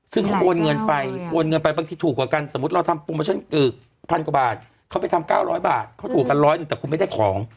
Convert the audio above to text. ซึ่งเขาโอนเงินไปโอนเงินไปบางทีถูกกว่ากันสมมุติเราทำโปรโมชั่น๑๐๐กว่าบาทเขาไปทำ๙๐๐บาทเขาถูกกันร้อยหนึ่งแต่คุณไม่ได้ของ